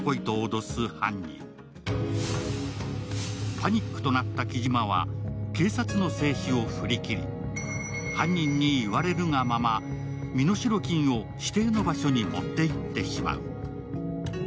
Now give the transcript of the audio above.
パニックとなった木島は警察の制止を振り切り犯人に言われるがまま身代金を指定の場所に持っていってしまう。